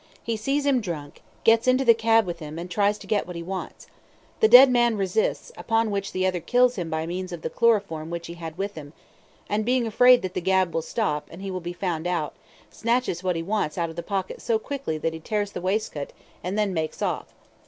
He sees him drunk, gets into the cab with him, and tries to get what he wants. The dead man resists, upon which the other kills him by means of the chloroform which he had with him, and being afraid that the cab will stop, and he will be found out, snatches what he wants out of the pocket so quickly that he tears the waistcoat and then makes off.